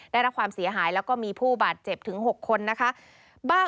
ได้รับความเสียหายแล้วก็มีผู้บาดเจ็บถึง๖คนนะคะ